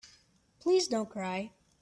Please don't cry.